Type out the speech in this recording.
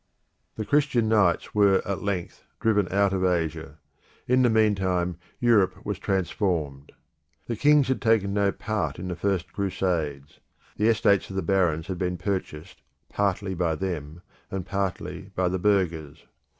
The Christian knights were at length driven out of Asia; in the meantime, Europe was transformed. The kings had taken no part in the first crusades; the estates of the barons had been purchased partly by them, and partly by the burghers.